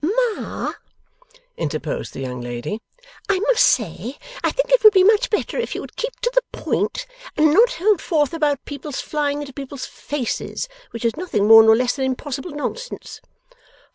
'Ma,' interposed the young lady, 'I must say I think it would be much better if you would keep to the point, and not hold forth about people's flying into people's faces, which is nothing more nor less than impossible nonsense.